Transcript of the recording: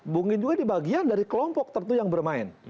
mungkin juga di bagian dari kelompok tertu yang bermain